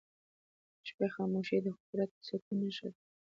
د شپې خاموشي د قدرت د سکون نښه ده.